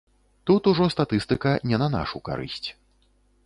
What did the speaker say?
Тут ўжо статыстыка не на нашу карысць.